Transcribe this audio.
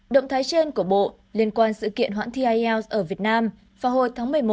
động thái trên của bộ liên quan sự kiện hoãn thi ielts ở việt nam vào hồi tháng một mươi một năm hai nghìn hai mươi hai